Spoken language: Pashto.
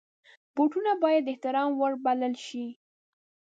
بوټونه باید د احترام وړ وبلل شي.